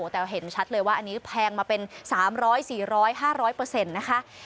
แต่เห็นชัดเลยว่าอันนี้แพงมาเป็น๓๐๐๔๐๐๕๐๐นะคะ